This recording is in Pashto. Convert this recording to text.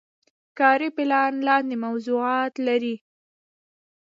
کاري پلان لاندې موضوعات لري.